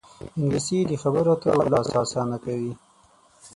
انګلیسي د خبرو اترو لاره اسانه کوي